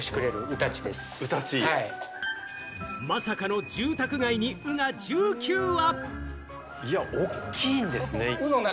まさかの住宅街に、鵜が１９羽。